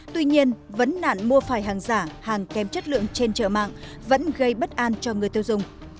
tuy nhiên vấn nạn mua phải hàng giả hàng kém chất lượng trên chợ mạng vẫn gây bất an cho người tiêu dùng